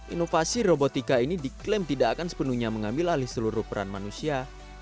inovasi robotika ini diklaim tidak akan sepenuhnya mengambil alih seluruh peran manusia